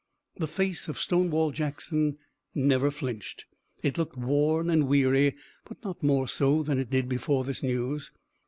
The face of Stonewall Jackson never flinched. It looked worn and weary but not more so than it did before this news.